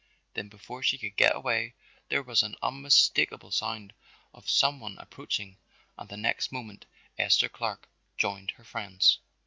Then before she could get away there was an unmistakable sound of some one approaching and the next moment Esther Clark joined her friends.